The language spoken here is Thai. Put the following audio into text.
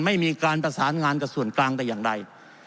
ไม่มีการประสานงานกับส่วนกลางแต่อย่างใด